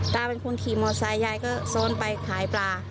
ตาเป็นคนขี่มอไซค์ยายก็โซนไปขายปลา